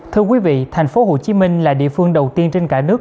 thưa quý vị thành phố hồ chí minh là địa phương đầu tiên trên cả nước